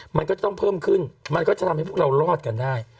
มันก็ต้องเพิ่มขึ้นมันก็จะทำให้พวกเรารอดกันได้